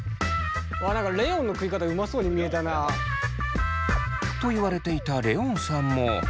あ何かレオンの食い方うまそうに見えたな。と言われていたレオンさんも。